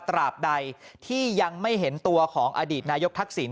ตราบใดที่ยังไม่เห็นตัวของอดีตนายกทักษิณ